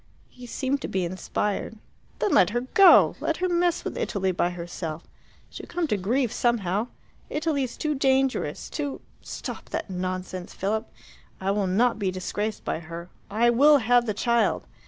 He seemed to be inspired. "Then let her go! Let her mess with Italy by herself. She'll come to grief somehow. Italy's too dangerous, too " "Stop that nonsense, Philip. I will not be disgraced by her. I WILL have the child.